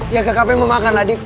ya ke kpm mau makan nadif